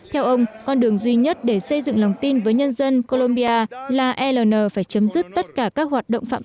theo ông con đường duy nhất để xây dựng lòng tin với nhân dân colombia là ln phải chấm dứt tất cả các hoạt động phạm tội